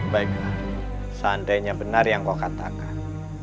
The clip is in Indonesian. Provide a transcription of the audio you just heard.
baiklah seandainya benar yang kau katakan